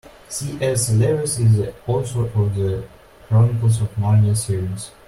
C.S. Lewis is the author of The Chronicles of Narnia series.